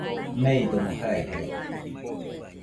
meidomo jaijaide.